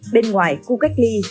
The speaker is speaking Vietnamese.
bên ngoài khu cách ly